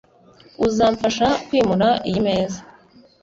uzamfasha kwimura iyi meza?